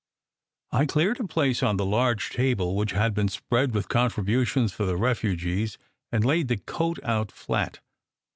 I cleared a place on the large table which had been spread with contributions for the refugees, and laid the coat out flat.